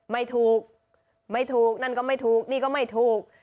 ไม่ถูกไม่ถูกนั่นก็ไม่ถูกนี่ก็ไม่ถูก